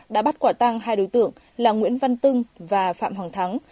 đã bắt quả tăng hai đối tượng là nguyễn văn tưng và phạm hoàng thắng